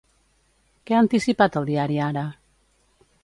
Què ha anticipat el diari Ara?